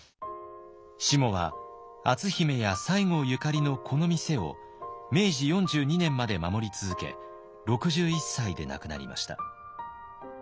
しもは篤姫や西郷ゆかりのこの店を明治４２年まで守り続け６１歳で亡くなりました。